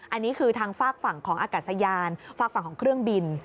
อันนี้คือทางฝากฝั่งของอากาศยานฝากฝั่งของเครื่องบิน